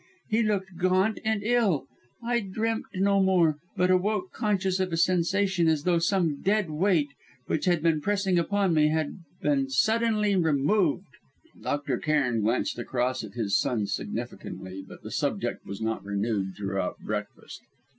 He looked gaunt and ill. I dreamt no more, but awoke conscious of a sensation as though some dead weight, which had been pressing upon me had been suddenly removed." Dr. Cairn glanced across at his son significantly, but the subject was not renewed throughout breakfast.